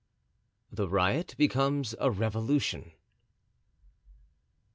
The Riot becomes a Revolution.